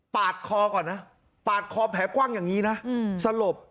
ดคอก่อนนะปาดคอแผลกว้างอย่างนี้นะสลบ